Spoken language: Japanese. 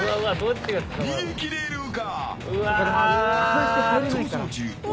逃げ切れるか？